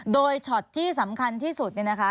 โดยช็อตที่สำคัญที่สุดเนี่ยนะคะ